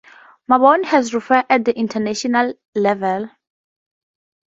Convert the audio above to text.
Mabon has refereed at international level.